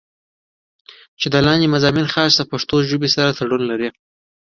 چې دا لانديني مضامين خاص د پښتو ژبې سره تړون لري